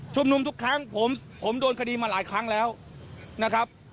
นุมทุกครั้งผมโดนคดีมาหลายครั้งแล้วนะครับ